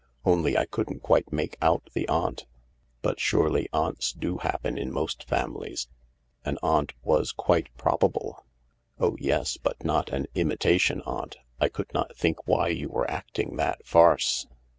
Only I couldn't quite make out the aunt." " But surely aunts do happen in most families. An aunt was quite probable." " Oh yes, but not an imitation aunt. I could not think why you were acting that farce."